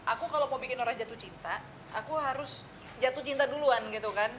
aku kalau mau bikin orang jatuh cinta aku harus jatuh cinta duluan gitu kan